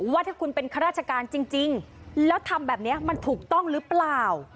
ว่าถ้าคุณเป็นข้าราชการจริงแล้วทำแบบนี้มันถูกต้องหรือเปล่า